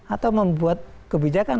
atau membuat kebijakan